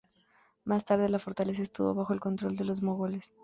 Más tarde la fortaleza estuvo bajo el control de los mogoles.